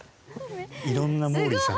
いろんなモーリーさん。